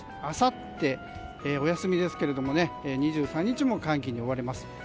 あさって、お休みですけど２３日も寒気に覆われます。